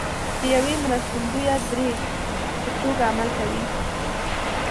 د یوې مرستندویه دړې په توګه عمل کوي